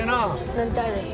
乗りたいです。